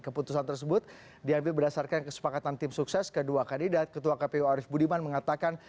keputusan tersebut diambil berdasarkan kesepakatan tim sukses kedua kandidat ketua kpu arief budiman mengatakan